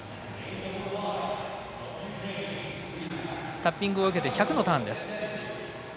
タッピングを受けて１００のターン。